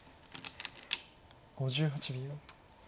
５８秒。